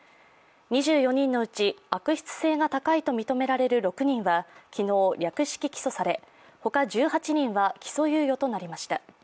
２４人のうち、悪質性が高いと認められる６人は昨日、略式起訴されほか１８人は起訴猶予となりました。